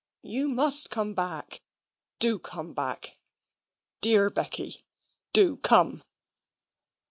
You MUST come back. Do come back. Dear Becky, do come."